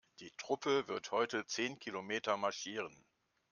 Die Truppe wird heute zehn Kilometer marschieren.